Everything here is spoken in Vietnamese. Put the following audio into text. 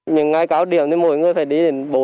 những ai có điểm thì mỗi người phải đi